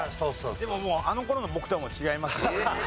でももうあの頃の僕とは違いますので。